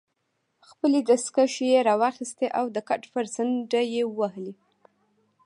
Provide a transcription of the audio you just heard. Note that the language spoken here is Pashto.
خپلې دستکشې يې راواخیستې او د کټ پر څنډه ېې ووهلې.